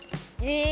え！